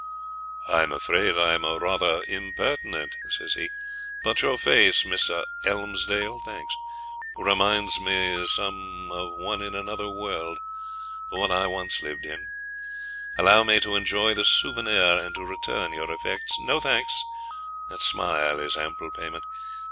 'I'm afraid I'm rather impertinent,' says he, 'but your face, Miss ah Elmsdale, thanks reminds me of some one in another world the one I once lived in. Allow me to enjoy the souvenir and to return your effects. No thanks; that smile is ample payment.